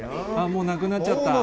もうなくなっちゃった。